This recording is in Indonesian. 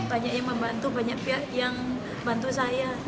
banyak yang membantu banyak pihak yang bantu saya